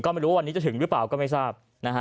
ก็ไม่รู้ว่าวันนี้จะถึงหรือเปล่าก็ไม่ทราบนะฮะ